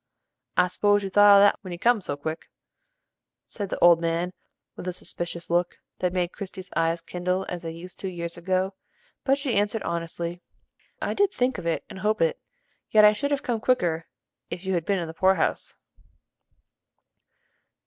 "I s'pose you thought of that when you come so quick?" said the old man, with a suspicious look, that made Christie's eyes kindle as they used to years ago, but she answered honestly: "I did think of it and hope it, yet I should have come quicker if you had been in the poor house."